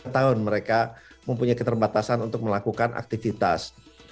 setahun mereka mempunyai keterbatasan untuk melakukan aktivitas